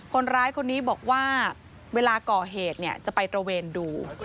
คนร้ายคนนี้บอกว่าเวลาก่อเหตุจะไปตระเวนดู